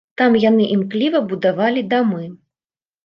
Там яны імкліва будавалі дамы.